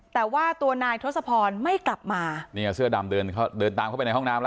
แต่ว่าตัวนายทศพรไม่กลับมาเนี่ยเสื้อดำเดินเขาเดินตามเข้าไปในห้องน้ำแล้ว